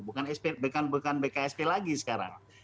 bukan bksp lagi sekarang